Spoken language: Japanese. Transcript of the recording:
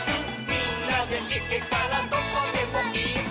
「みんなでいけたらどこでもイス！」